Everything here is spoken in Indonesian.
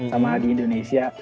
sama di indonesia